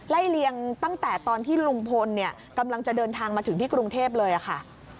เลียงตั้งแต่ตอนที่ลุงพลเนี่ยกำลังจะเดินทางมาถึงที่กรุงเทพเลยค่ะ